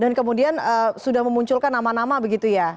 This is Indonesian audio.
dan kemudian sudah memunculkan nama nama begitu ya